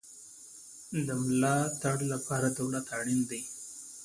د ملاتړ لپاره دولت اړین دی